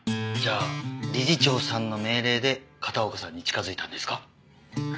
じゃあ理事長さんの命令で片岡さんに近づいたんですか？